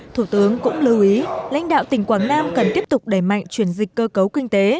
thủ tướng cũng lưu ý lãnh đạo tỉnh quảng nam cần tiếp tục đẩy mạnh chuyển dịch cơ cấu kinh tế